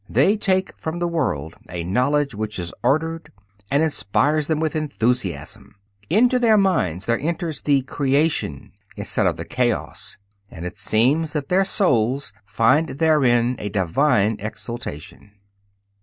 They take from the world a knowledge which is ordered and inspires them with enthusiasm. Into their minds there enters "the Creation" instead of "the Chaos"; and it seems that their souls find therein a divine exultation.